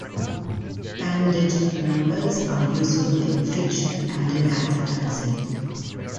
Pandigital numbers are useful in fiction and in advertising.